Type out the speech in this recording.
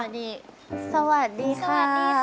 สวัสดีค่ะสวัสดีค่ะสวัสดีค่ะ